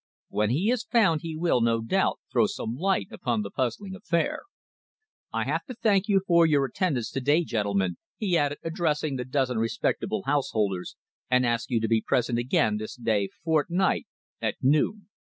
When he is found he will, no doubt, throw some light upon the puzzling affair. I have to thank you for your attendance to day, gentlemen," he added, addressing the dozen respectable householders, "and ask you to be present again this day fortnight at noon."